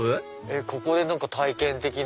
ここで何か体験的な。